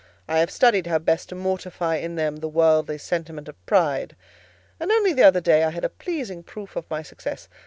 I have studied how best to mortify in them the worldly sentiment of pride; and, only the other day, I had a pleasing proof of my success.